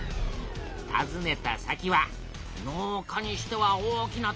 たずねた先は農家にしては大きな建物や。